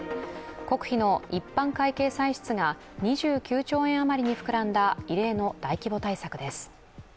国費の一般会計歳出が２９兆円余りに膨らんだ異例の大規模対策です。